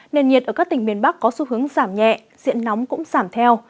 nền nhiệt ở các tỉnh miền bắc có xu hướng giảm nhẹ diện nóng cũng giảm theo